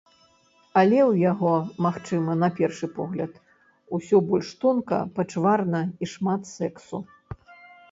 Але ў яго, магчыма, на першы погляд, усё больш тонка, пачварна і шмат сэксу.